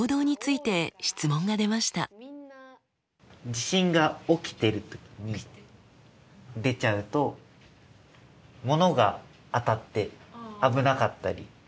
地震が起きてる時に出ちゃうとものが当たって危なかったりするので。